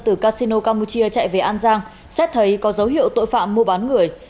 từ casino campuchia chạy về an giang xét thấy có dấu hiệu tội phạm mua bán người